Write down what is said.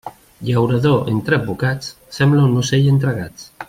Llaurador entre advocats, sembla un ocell entre gats.